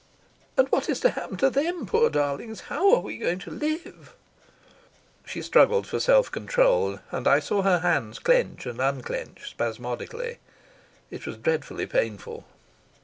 "And what is to happen to them, poor darlings? How are we going to live?" She struggled for self control, and I saw her hands clench and unclench spasmodically. It was dreadfully painful.